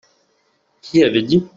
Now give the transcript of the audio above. Qui avait dit ?